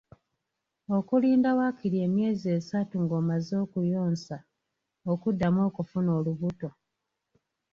Okulinda waakiri emyezi esatu ng'omaze okuyonsa, okuddamu okufuna olubuto.